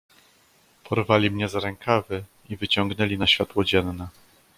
"Porwali mnie za rękawy i wyciągnęli na światło dzienne."